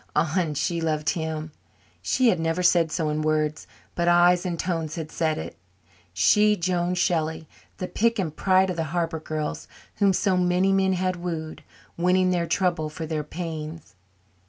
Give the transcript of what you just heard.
Ah, and she loved him. She had never said so in words, but eyes and tones had said it she, Joan Shelley, the pick and pride of the Harbour girls, whom so many men had wooed, winning their trouble for their pains.